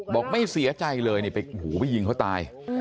ไม่เสียใจเลยไปยิงเขาตาย